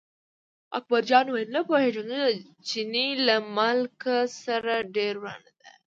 اکبرجان وویل نه پوهېږم، زموږ د چیني له ملک سره ډېره ورانه ده.